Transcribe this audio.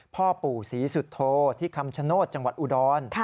พ่อปู่ศรีสุโธที่คำชโนธจังหวัดอุดร